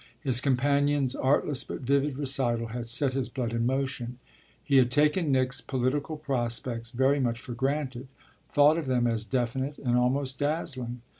His companion's artless but vivid recital had set his blood in motion. He had taken Nick's political prospects very much for granted, thought of them as definite and almost dazzling.